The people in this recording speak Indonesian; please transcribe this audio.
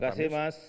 terima kasih mas